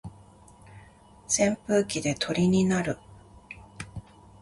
扇風機で鳥になる